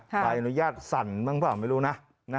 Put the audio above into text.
ใบอนุญาตสั่นบ้างเปล่าไม่รู้นะ